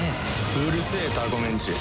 うるせえタコメンチ。